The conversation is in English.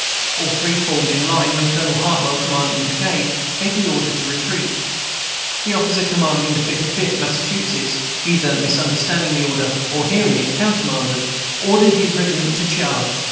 All three formed in line, when Colonel Hartwell, commanding the brigade, gave the order to retreat. The officer commanding the Fifty Fifth Massachusetts, either misunderstanding the order, or hearing it countermanded, ordered his regiment to charge.